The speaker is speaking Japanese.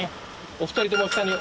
お二人とも下に。